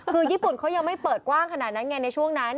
คือญี่ปุ่นเขายังไม่เปิดกว้างขนาดนั้นไงในช่วงนั้น